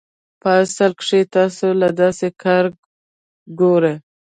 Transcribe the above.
پۀ اصل کښې تاسو له داسې کار ګوري